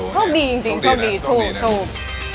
ช่วงดีจริงจริงช่วงดีชุบ